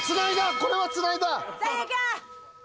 これはつないだ！